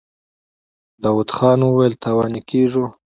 داوود خان وويل: تاواني کېږو.